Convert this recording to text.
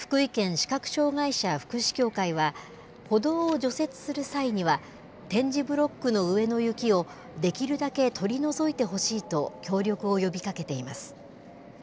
視覚障害者福祉協会は、歩道を除雪する際には、点字ブロックの上の雪をできるだけ取り除いてほしいと協力を呼びかけています。